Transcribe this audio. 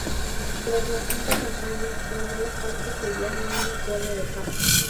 Tras la quinta campaña, las dos partes sellaron un acuerdo de paz.